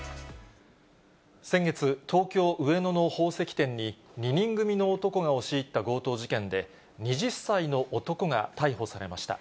先月、東京・上野の宝石店に、２人組の男が押し入った強盗事件で、２０歳の男が逮捕されました。